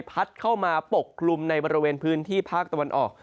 พัดเข้ามาปกกลุ่มในบริเวณพื้นที่ภาคตะวันออก